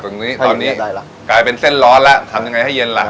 ตรงนี้ตอนนี้ได้ล่ะกลายเป็นเส้นร้อนแล้วทำยังไงให้เย็นล่ะ